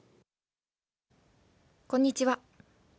こんにちは。